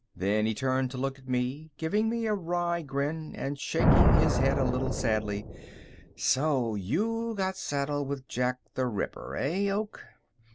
Then he turned to look at me, giving me a wry grin and shaking his head a little sadly. "So you got saddled with Jack the Ripper, eh, Oak?"